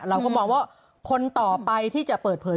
เราก็มองว่าคนต่อไปที่จะเปิดเผย